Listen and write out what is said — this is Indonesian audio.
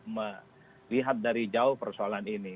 melihat dari jauh persoalan ini